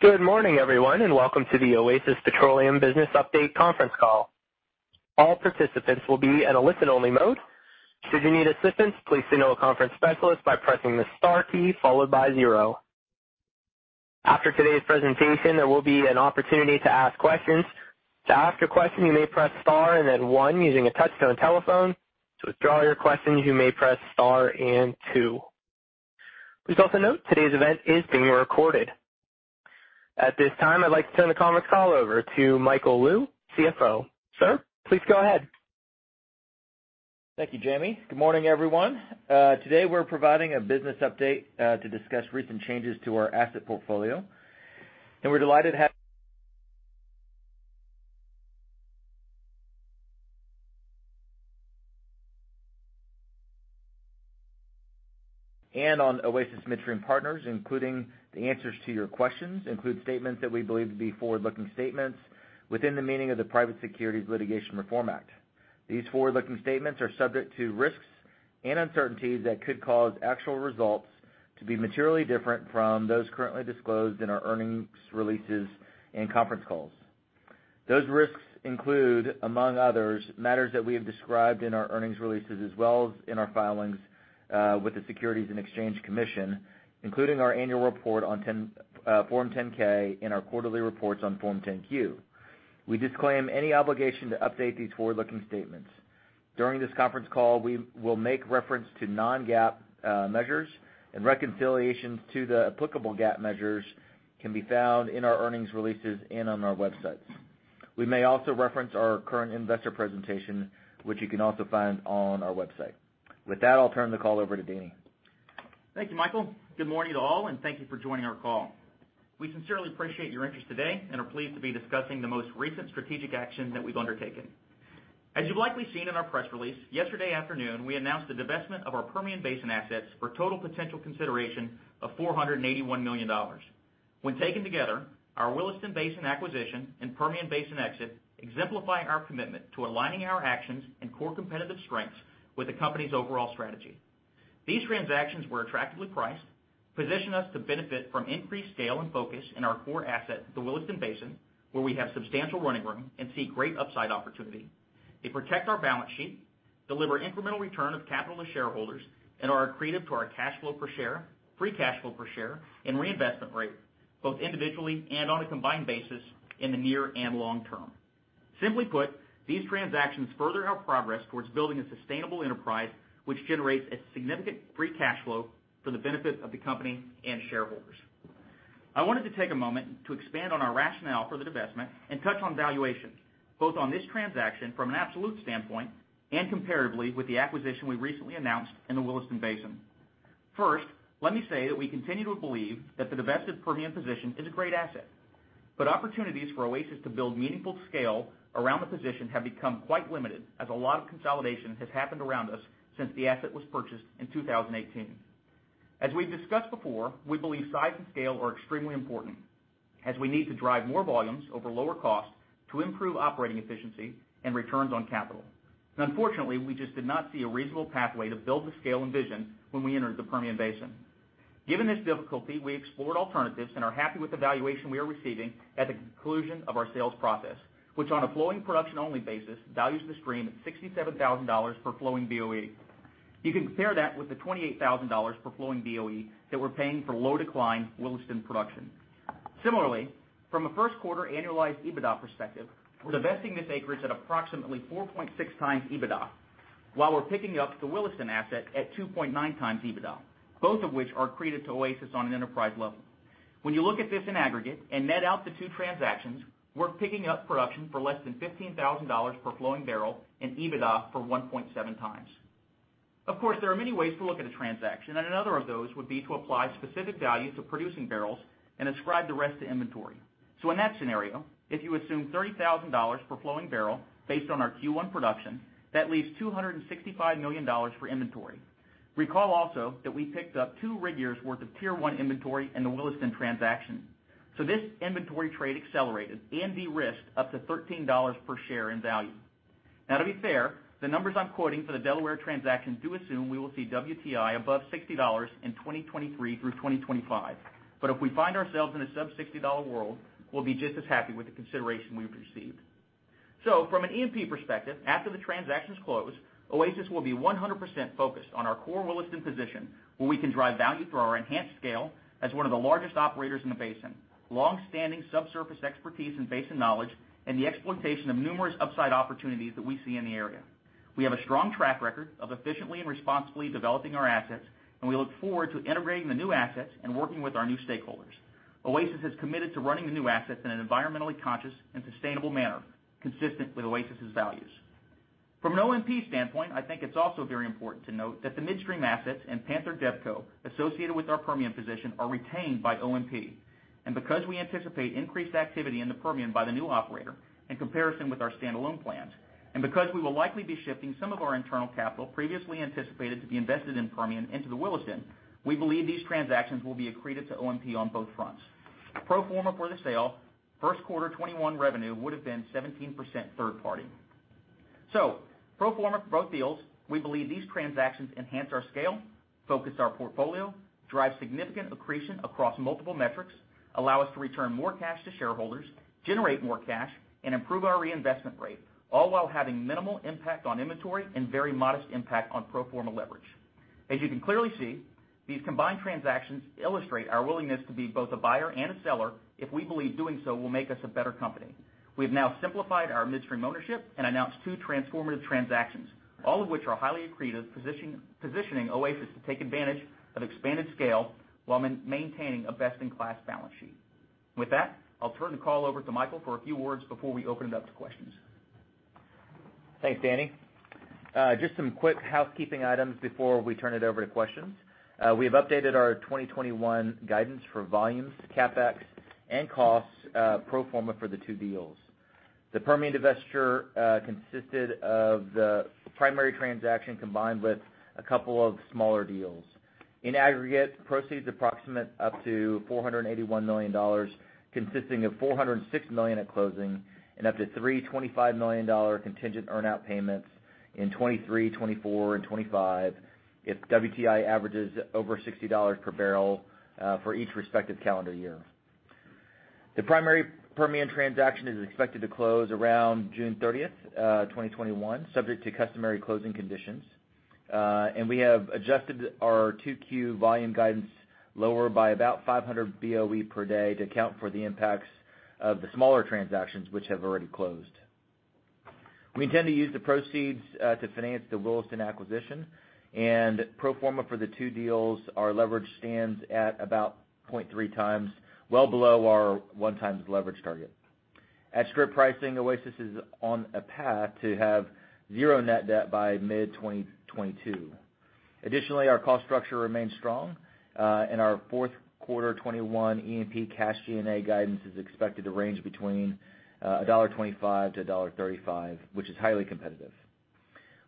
Good morning, everyone, and welcome to the Oasis Petroleum Business Update conference call. At this time, I'd like to turn the conference call over to Michael Lou, CFO. Sir, please go ahead. Thank you, Jamie. Good morning, everyone. Today we're providing a business update to discuss recent changes to our asset portfolio, and we're delighted to have. And on Oasis Midstream Partners, including the answers to your questions, include statements that we believe to be forward-looking statements within the meaning of the Private Securities Litigation Reform Act. These forward-looking statements are subject to risks and uncertainties that could cause actual results to be materially different from those currently disclosed in our earnings releases and conference calls. Those risks include, among others, matters that we have described in our earnings releases as well as in our filings with the Securities and Exchange Commission, including our annual report on Form 10-K and our quarterly reports on Form 10-Q. We disclaim any obligation to update these forward-looking statements. During this conference call, we will make reference to non-GAAP measures and reconciliations to the applicable GAAP measures can be found in our earnings releases and on our websites. We may also reference our current investor presentation, which you can also find on our website. With that, I'll turn the call over to Danny. Thank you, Michael. Good morning, all, and thank you for joining our call. We sincerely appreciate your interest today and are pleased to be discussing the most recent strategic action that we've undertaken. As you've likely seen in our press release, yesterday afternoon, we announced the divestment of our Permian Basin assets for total potential consideration of $481 million. When taken together, our Williston Basin acquisition and Permian Basin exit exemplify our commitment to aligning our actions and core competitive strengths with the company's overall strategy. These transactions were attractively priced, position us to benefit from increased scale and focus in our core asset, the Williston Basin, where we have substantial running room and see great upside opportunity. They protect our balance sheet, deliver incremental return of capital to shareholders, and are accretive to our cash flow per share, free cash flow per share, and reinvestment rate, both individually and on a combined basis in the near and long term. Simply put, these transactions further our progress towards building a sustainable enterprise, which generates a significant free cash flow for the benefit of the company and shareholders. I wanted to take a moment to expand on our rationale for the divestment and touch on valuations, both on this transaction from an absolute standpoint and comparably with the acquisition we recently announced in the Williston Basin. First, let me say that we continue to believe that the divested Permian position is a great asset, but opportunities for Oasis to build meaningful scale around the position have become quite limited as a lot of consolidation has happened around us since the asset was purchased in 2018. As we've discussed before, we believe size and scale are extremely important as we need to drive more volumes over lower costs to improve operating efficiency and returns on capital. Unfortunately, we just did not see a reasonable pathway to build the scale envisioned when we entered the Permian Basin. Given this difficulty, we explored alternatives and are happy with the valuation we are receiving at the conclusion of our sales process, which on a flowing production-only basis values the stream at $67,000 per flowing BOE. You can compare that with the $28,000 per flowing BOE that we're paying for low decline Williston production. Similarly, from a first quarter annualized EBITDA perspective, we're divesting this acreage at approximately 4.6x EBITDA, while we're picking up the Williston asset at 2.9x EBITDA, both of which are accretive to Oasis on an enterprise level. When you look at this in aggregate and net out the two transactions, we're picking up production for less than $15,000 per flowing barrel and EBITDA for 1.7x. Of course, there are many ways to look at a transaction, and another of those would be to apply specific values to producing barrels and ascribe the rest to inventory. In that scenario, if you assume $30,000 per flowing barrel based on our Q1 production, that leaves $265 million for inventory. Recall also that we picked up 2 rig years worth of Tier 1 inventory in the Williston transaction. This inventory trade accelerated E&D risk up to $13 per share in value. To be fair, the numbers I'm quoting for the Delaware transaction do assume we will see WTI above $60 in 2023 through 2025. If we find ourselves in a sub-$60 world, we'll be just as happy with the consideration we've received. From an E&P perspective, after the transactions close, Oasis Petroleum will be 100% focused on our core Williston Basin position, where we can drive value through our enhanced scale as one of the largest operators in the basin, long-standing subsurface expertise and basin knowledge, and the exploitation of numerous upside opportunities that we see in the area. We have a strong track record of efficiently and responsibly developing our assets, and we look forward to integrating the new assets and working with our new stakeholders. Oasis is committed to running new assets in an environmentally conscious and sustainable manner consistent with Oasis's values. From an OMP standpoint, I think it's also very important to note that the midstream assets and Panther DevCo associated with our Permian position are retained by OMP. Because we anticipate increased activity in the Permian by the new operator in comparison with our standalone plans, and because we will likely be shifting some of our internal capital previously anticipated to be invested in Permian into the Williston, we believe these transactions will be accretive to OMP on both fronts. Pro forma for the sale, first quarter 2021 revenue would have been 17% third party. Pro forma for both deals, we believe these transactions enhance our scale, focus our portfolio, drive significant accretion across multiple metrics, allow us to return more cash to shareholders, generate more cash, and improve our reinvestment rate, all while having minimal impact on inventory and very modest impact on pro forma leverage. As you can clearly see, these combined transactions illustrate our willingness to be both a buyer and a seller if we believe doing so will make us a better company. We've now simplified our midstream ownership and announced two transformative transactions, all of which are highly accretive, positioning Oasis to take advantage of expanded scale while maintaining a best-in-class balance sheet. With that, I'll turn the call over to Michael for a few words before we open it up to questions. Thanks, Danny. Just some quick housekeeping items before we turn it over to questions. We have updated our 2021 guidance for volumes, CapEx, and costs pro forma for the two deals. The Permian divestiture consisted of the primary transaction combined with a couple of smaller deals. In aggregate, proceeds approximate up to $481 million, consisting of $406 million at closing and up to three $25 million contingent earn-out payments in 2023, 2024, and 2025 if WTI averages over $60 per barrel for each respective calendar year. The primary Permian transaction is expected to close around June 30th, 2021, subject to customary closing conditions. We have adjusted our 2Q volume guidance lower by about 500 BOE per day to account for the impacts of the smaller transactions which have already closed. We intend to use the proceeds to finance the Williston acquisition. Pro forma for the two deals, our leverage stands at about 0.3x, well below our 1x leverage target. At strip pricing, Oasis is on a path to have zero net debt by mid-2022. Additionally, our cost structure remains strong. Our fourth quarter 2021 E&P cash G&A guidance is expected to range between $1.25-$1.35, which is highly competitive.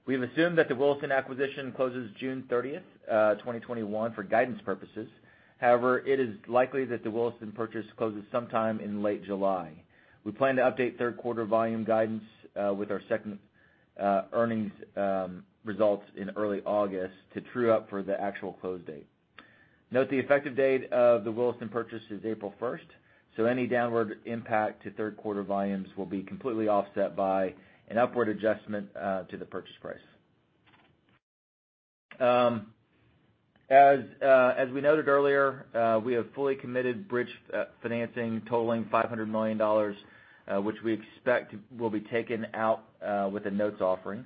We have assumed that the Williston acquisition closes June 30th, 2021, for guidance purposes. However, it is likely that the Williston purchase closes sometime in late July. We plan to update third quarter volume guidance with our second earnings results in early August to true up for the actual close date. Note the effective date of the Williston purchase is April 1st, any downward impact to third quarter volumes will be completely offset by an upward adjustment to the purchase price. As we noted earlier, we have fully committed bridge financing totaling $500 million, which we expect will be taken out with a notes offering.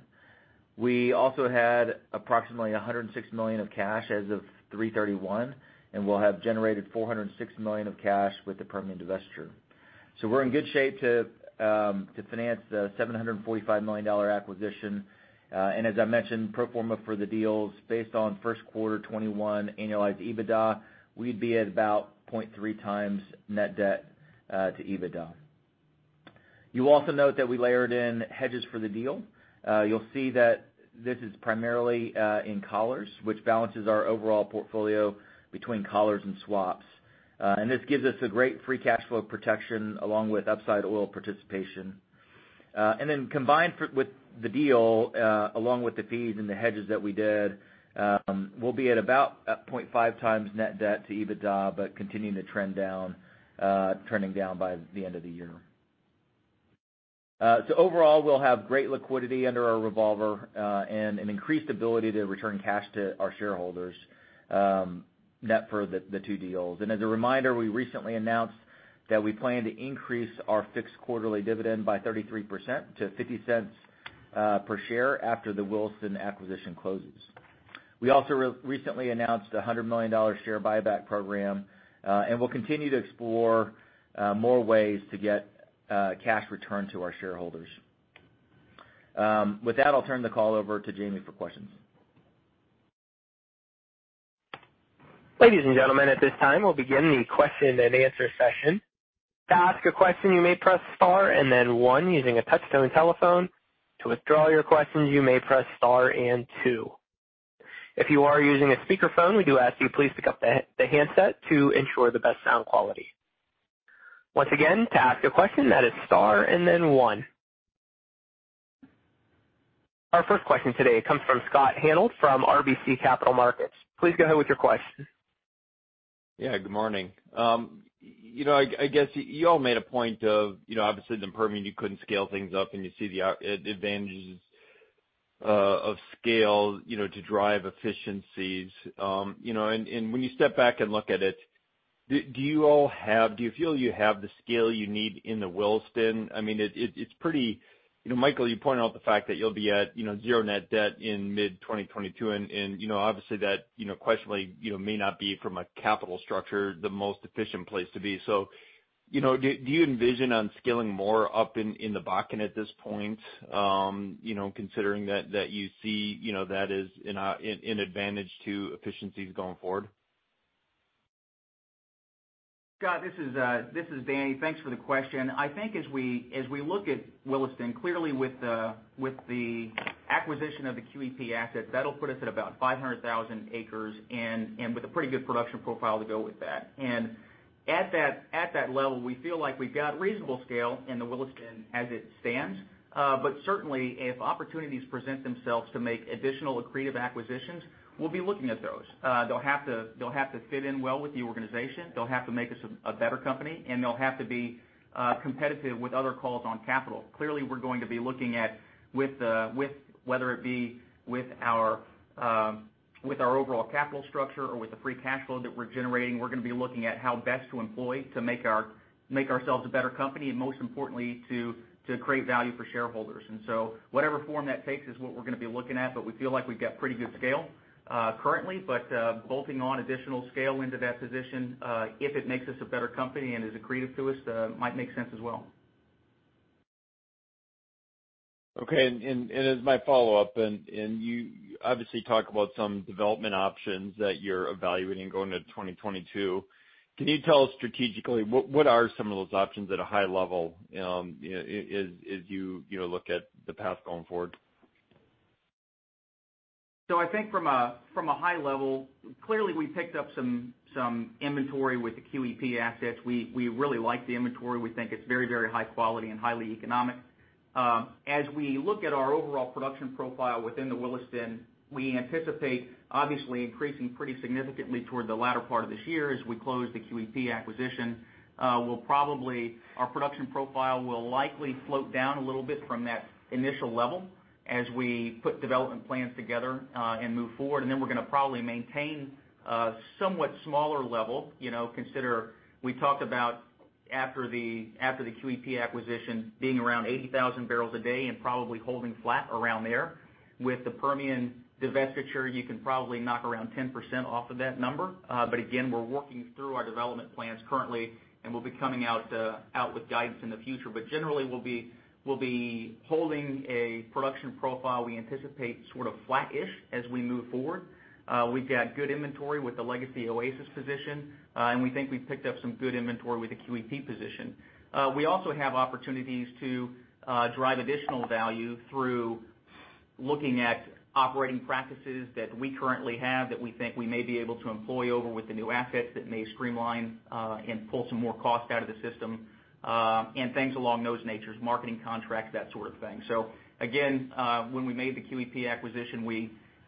We also had approximately $106 million of cash as of 3/31 and will have generated $406 million of cash with the Permian divestiture. We're in good shape to finance the $745 million acquisition. As I mentioned, pro forma for the deals based on first quarter 2021 annualized EBITDA, we'd be at about 0.3x net debt to EBITDA. You will also note that we layered in hedges for the deal. You'll see that this is primarily in collars, which balances our overall portfolio between collars and swaps. This gives us a great free cash flow protection along with upside oil participation. Combined with the deal, along with the fees and the hedges that we did, we'll be at about 0.5x net debt to EBITDA, but continuing to trend down by the end of the year. Overall, we'll have great liquidity under our revolver and an increased ability to return cash to our shareholders net for the two deals. As a reminder, we recently announced that we plan to increase our fixed quarterly dividend by 33% to $0.50 per share after the Williston acquisition closes. We also recently announced a $100 million share buyback program, and we'll continue to explore more ways to get cash returned to our shareholders. With that, I'll turn the call over to Jamie for questions. Our first question today comes from Scott Hanold from RBC Capital Markets. Please go ahead with your question. Yeah, good morning. I guess you all made a point of obviously in the Permian, you couldn't scale things up, and you see the advantages of scale to drive efficiencies. When you step back and look at it, do you feel you have the scale you need in the Williston? Michael, you pointed out the fact that you'll be at zero net debt in mid-2022, obviously that question may not be from a capital structure, the most efficient place to be. Do you envision on scaling more up in the Bakken at this point, considering that you see that is an advantage to efficiencies going forward? Scott, this is Danny. Thanks for the question. I think as we look at Williston, clearly with the acquisition of the QEP assets, that'll put us at about 500,000 acres and with a pretty good production profile to go with that. At that level, we feel like we've got reasonable scale in the Williston as it stands. Certainly, if opportunities present themselves to make additional accretive acquisitions, we'll be looking at those. They'll have to fit in well with the organization. They'll have to make us a better company, and they'll have to be competitive with other calls on capital. Clearly, we're going to be looking at, whether it be with our overall capital structure or with the free cash flow that we're generating, we're going to be looking at how best to employ to make ourselves a better company, and most importantly, to create value for shareholders. Whatever form that takes is what we're going to be looking at. We feel like we've got pretty good scale currently, but bolting on additional scale into that position if it makes us a better company and is accretive to us might make sense as well. Okay. As my follow-up, and you obviously talk about some development options that you're evaluating going into 2022. Can you tell us strategically, what are some of those options at a high level as you look at the path going forward? I think from a high level, clearly we picked up some inventory with the QEP assets. We really like the inventory. We think it's very high quality and highly economic. As we look at our overall production profile within the Williston, we anticipate obviously increasing pretty significantly toward the latter part of this year as we close the QEP acquisition. Our production profile will likely float down a little bit from that initial level as we put development plans together and move forward, we're going to probably maintain a somewhat smaller level. Consider we talked about after the QEP acquisition being around 80,000 barrels a day and probably holding flat around there. With the Permian divestiture, you can probably knock around 10% off of that number. Again, we're working through our development plans currently, and we'll be coming out with guidance in the future. Generally, we'll be holding a production profile we anticipate sort of flat-ish as we move forward. We've got good inventory with the legacy Oasis position, and we think we've picked up some good inventory with the QEP position. We also have opportunities to drive additional value through looking at operating practices that we currently have that we think we may be able to employ over with the new assets that may streamline and pull some more cost out of the system, and things along those natures, marketing contracts, that sort of thing. Again, when we made the QEP acquisition,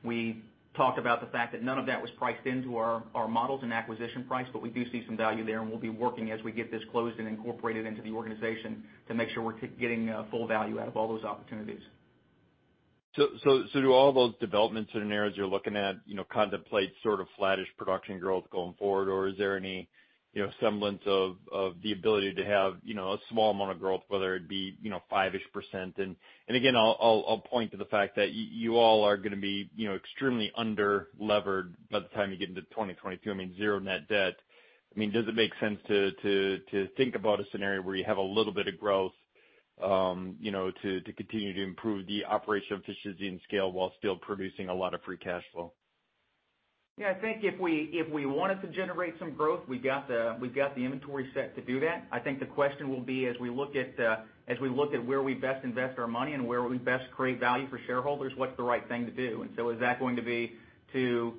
we talked about the fact that none of that was priced into our models and acquisition price, but we do see some value there, and we'll be working as we get this closed and incorporated into the organization to make sure we're getting full value out of all those opportunities. Do all those developments and areas you're looking at contemplate sort of flattish production growth going forward? Or is there any semblance of the ability to have a small amount of growth, whether it be 5-ish%? Again, I'll point to the fact that you all are going to be extremely under-levered by the time you get into 2022. I mean, zero net debt. Does it make sense to think about a scenario where you have a little bit of growth to continue to improve the operational efficiency and scale while still producing a lot of free cash flow? Yeah, I think if we wanted to generate some growth, we've got the inventory set to do that. I think the question will be as we look at where we best invest our money and where we best create value for shareholders, what's the right thing to do? Is that going to be to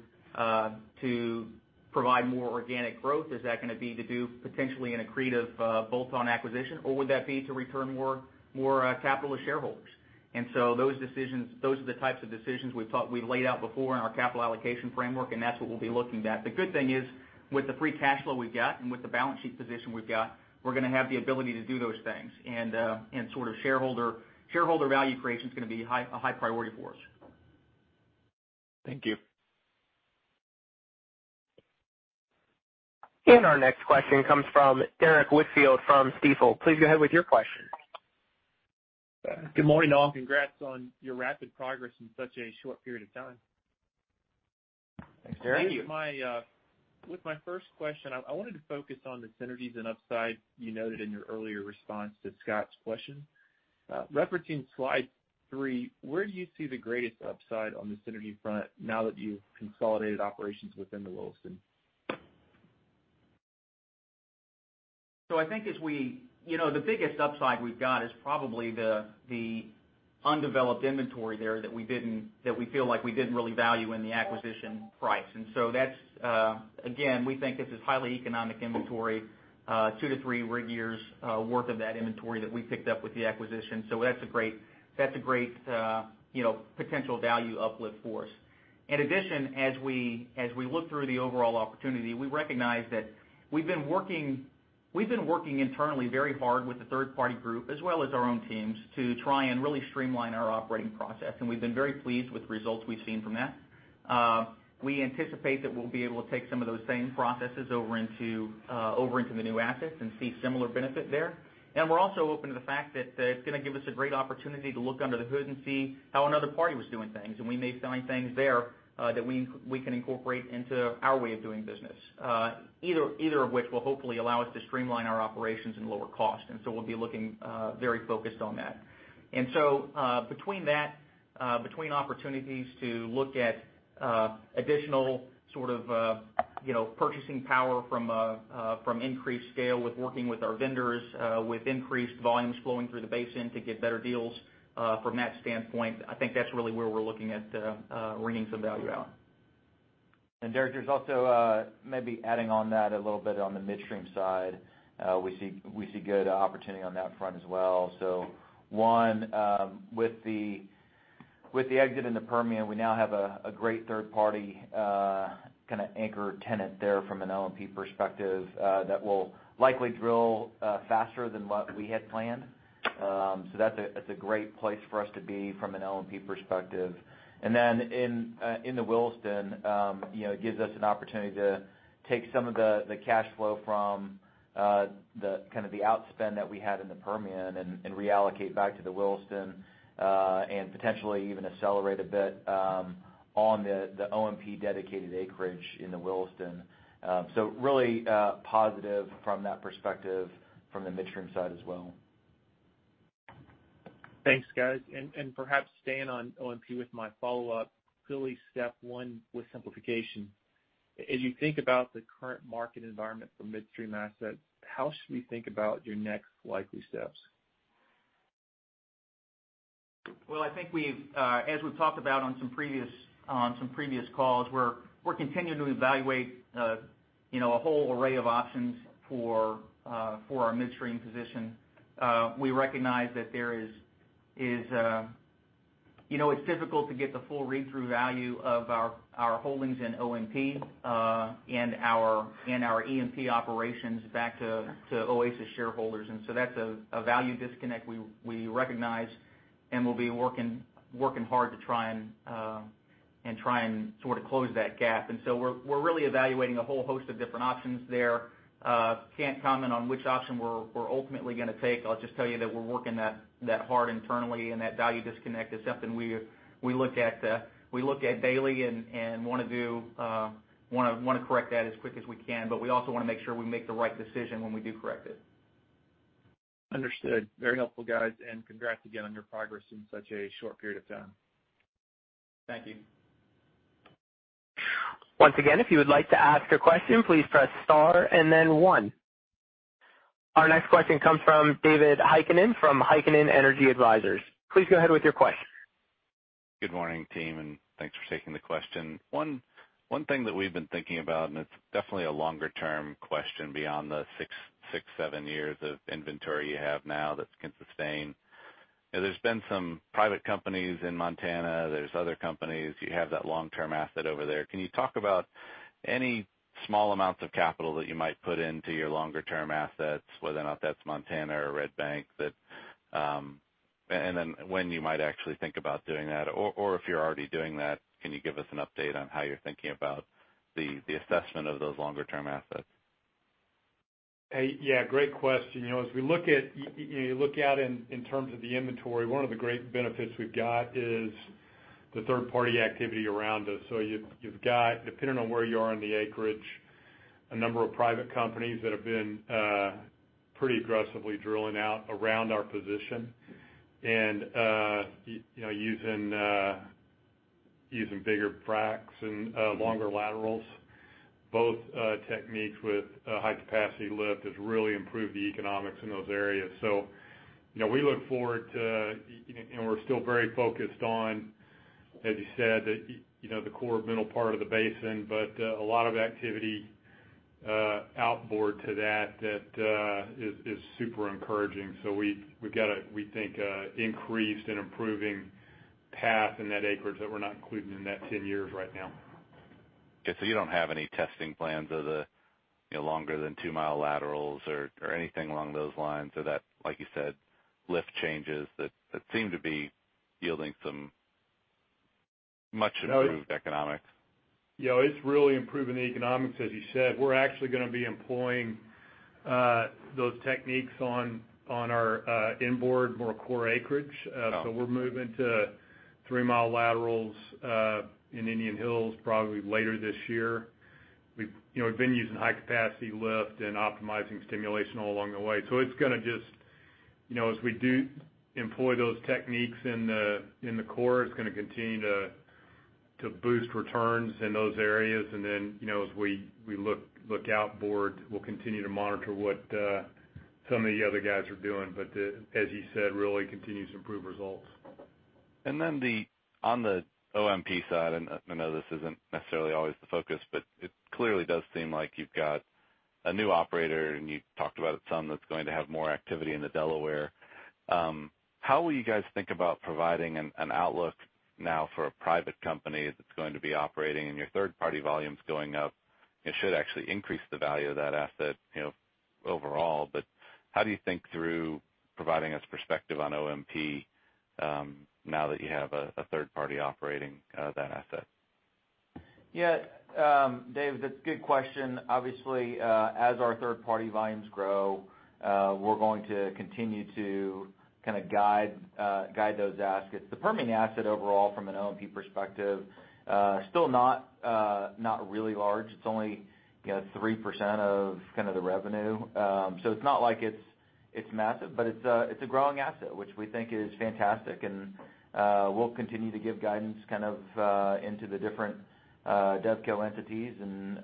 provide more organic growth? Is that going to be to do potentially an accretive bolt-on acquisition, or would that be to return more capital to shareholders? Those are the types of decisions we've laid out before in our capital allocation framework, and that's what we'll be looking at. The good thing is with the free cash flow we've got and with the balance sheet position we've got, we're going to have the ability to do those things. Shareholder value creation is going to be a high priority for us. Thank you. Our next question comes from Derrick Whitfield from Stifel. Please go ahead with your question. Good morning, all. Congrats on your rapid progress in such a short period of time. Thanks, Derrick. Thank you. With my first question, I wanted to focus on the synergies and upside you noted in your earlier response to Scott's question. Referencing slide three, where do you see the greatest upside on the synergy front now that you've consolidated operations within the Williston? I think the biggest upside we've got is probably the undeveloped inventory there that we feel like we didn't really value in the acquisition price. That's, again, we think this is highly economic inventory two to three rig years worth of that inventory that we picked up with the acquisition. That's a great potential value uplift for us. In addition, as we look through the overall opportunity, we recognize that we've been working internally very hard with a third-party group, as well as our own teams, to try and really streamline our operating process. We've been very pleased with the results we've seen from that. We anticipate that we'll be able to take some of those same processes over into the new assets and see similar benefit there. We're also open to the fact that it's going to give us a great opportunity to look under the hood and see how another party was doing things. We may find things there that we can incorporate into our way of doing business. Either of which will hopefully allow us to streamline our operations and lower cost. We'll be looking very focused on that. Between opportunities to look at additional sort of purchasing power from increased scale with working with our vendors with increased volumes flowing through the basin to get better deals from that standpoint, I think that's really where we're looking at wringing some value out. Derrick, there's also, maybe adding on that a little bit on the midstream side, we see good opportunity on that front as well. One, with the exit in the Permian, we now have a great third party, kind of anchor tenant there from an OMP perspective, that will likely drill faster than what we had planned. That's a great place for us to be from an OMP perspective. Then in the Williston, it gives us an opportunity to take some of the cash flow from the outspend that we had in the Permian and reallocate back to the Williston, and potentially even accelerate a bit, on the OMP-dedicated acreage in the Williston. Really, positive from that perspective from the midstream side as well. Thanks, guys. Perhaps staying on OMP with my follow-up, clearly step one was simplification. As you think about the current market environment for midstream assets, how should we think about your next likely steps? Well, I think as we've talked about on some previous calls, we're continuing to evaluate a whole array of options for our midstream position. We recognize that it's difficult to get the full read-through value of our holdings in OMP, and our E&P operations back to Oasis shareholders. That's a value disconnect we recognize, and we'll be working hard to try and sort of close that gap. We're really evaluating a whole host of different options there. Can't comment on which option we're ultimately going to take. I'll just tell you that we're working that hard internally, and that value disconnect is something we look at daily and want to correct that as quick as we can. We also want to make sure we make the right decision when we do correct it. Understood. Very helpful, guys, and congrats again on your progress in such a short period of time. Thank you. Our next question comes from David Heikkinen from Heikkinen Energy Advisors. Please go ahead with your question. Good morning, team. Thanks for taking the question. One thing that we've been thinking about, it's definitely a longer-term question beyond the six, seven years of inventory you have now that can sustain. There's been some private companies in Montana, there's other companies, you have that long-term asset over there. Can you talk about any small amounts of capital that you might put into your longer-term assets, whether or not that's Montana or Red Bank? Then when you might actually think about doing that, or if you're already doing that, can you give us an update on how you're thinking about the assessment of those longer-term assets? Yeah. Great question. As you look out in terms of the inventory, one of the great benefits we've got is the third-party activity around us. You've got, depending on where you are in the acreage, a number of private companies that have been pretty aggressively drilling out around our position and using bigger fracs and longer laterals, both techniques with high-capacity lift has really improved the economics in those areas. We look forward to, and we're still very focused on, as you said, the core middle part of the basin, but a lot of activity outboard to that is super encouraging. We've got, we think, an increased and improving path in that acreage that we're not including in that 10 years right now. You don't have any testing plans of the longer than 2-mile laterals or anything along those lines or that, like you said, lift changes that seem to be yielding some much-improved economics? Yeah, it's really improving the economics, as you said. We're actually going to be employing those techniques on our inboard, more core acreage. We're moving to 3-mile laterals in Indian Hills probably later this year. We've been using high-capacity lift and optimizing stimulation all along the way. It's going to just, as we do employ those techniques in the core, it's going to continue to boost returns in those areas. As we look outboard, we'll continue to monitor what some of the other guys are doing. As you said, really continues to improve results. On the OMP side, I know this isn't necessarily always the focus, but it clearly does seem like you've got a new operator, and you talked about some that's going to have more activity in the Delaware. How will you guys think about providing an outlook now for a private company that's going to be operating, and your third-party volume's going up? It should actually increase the value of that asset overall, but how do you think through providing us perspective on OMP now that you have a third party operating that asset? Yeah, David, that's a good question. Obviously, as our third-party volumes grow, we're going to continue to guide those assets. The Permian asset overall from an OMP perspective, still not really large. It's only 3% of the revenue. It's not like it's massive, but it's a growing asset, which we think is fantastic, and we'll continue to give guidance into the different DevCo entities and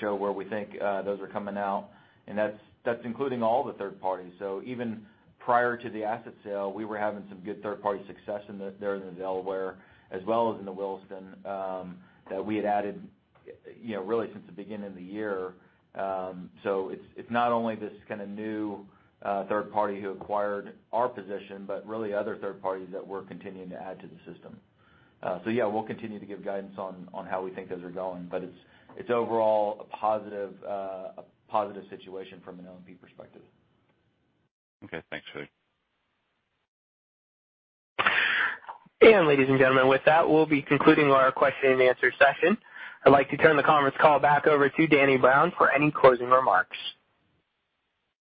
show where we think those are coming out. That's including all the third parties. Even prior to the asset sale, we were having some good third-party success there in the Delaware as well as in the Williston, that we had added really since the beginning of the year. It's not only this new third party who acquired our position, but really other third parties that we're continuing to add to the system. Yeah, we'll continue to give guidance on how we think those are going, but it's overall a positive situation from an OMP perspective. Okay. Thanks, really. Ladies and gentlemen, with that, we'll be concluding our question and answer session. I'd like to turn the conference call back over to Danny Brown for any closing remarks.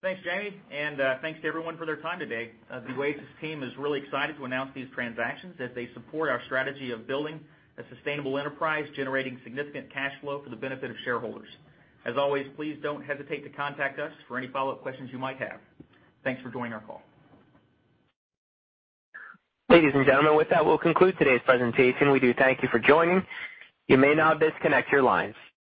Thanks, Jamie, and thanks to everyone for their time today. The Oasis team is really excited to announce these transactions as they support our strategy of building a sustainable enterprise, generating significant cash flow for the benefit of shareholders. As always, please don't hesitate to contact us for any follow-up questions you might have. Thanks for joining our call. Ladies and gentlemen, with that, we'll conclude today's presentation. We do thank you for joining. You may now disconnect your lines.